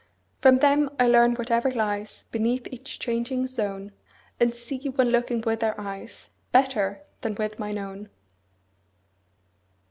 From them I learn whatever lies Beneath each changing zone, And see, when looking with their eyes, 35 Better than with mine own.